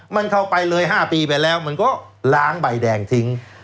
มันเข้าไปเลย๕ปีไปแล้วมันก็ล้างใบแดงทิ้ง